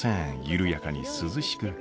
緩やかに涼しく。